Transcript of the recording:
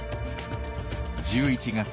１１月。